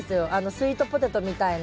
スイートポテトみたいな。